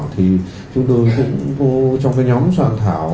thì chúng tôi cũng trong cái nhóm soạn thảo